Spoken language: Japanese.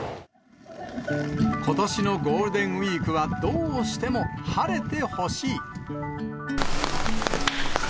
ことしのゴールデンウィークはどうしても晴れてほしい。